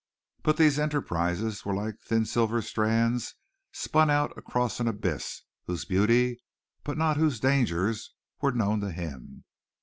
But these enterprises were like thin silver strands spun out across an abyss, whose beauty but not whose dangers were known to him.